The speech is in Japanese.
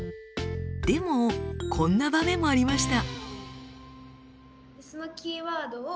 でもこんな場面もありました。